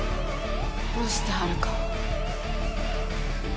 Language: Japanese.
どうして遥を。